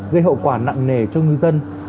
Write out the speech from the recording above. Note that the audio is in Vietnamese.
gây hậu quả nặng nề cho ngư dân